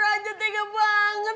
raja tega banget